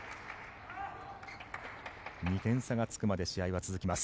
２点差がつくまで試合は続きます。